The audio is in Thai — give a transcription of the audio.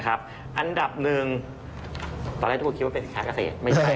ตอนแรกทุกคนคิดว่าเป็นสลัดเกษตรไม่ใช่ค่ะ